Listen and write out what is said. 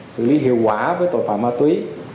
xử lý hiệu quả với tội phạm ma túy